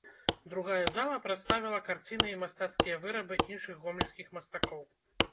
Другая зала прадставіла карціны і мастацкія вырабы іншых гомельскіх мастакоў.